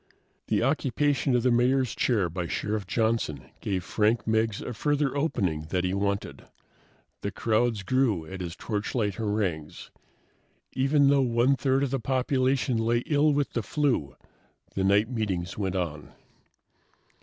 The occupation of the Mayor's chair by Sheriff Johnson gave Frank Meggs a further opening that he wanted. The crowds grew at his torchlight harangues. Even though one third of the population lay ill with the flu, the night meetings went on.